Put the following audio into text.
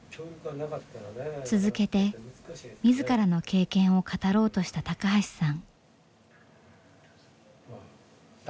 続けて自らの経験を語ろうとした高橋さん。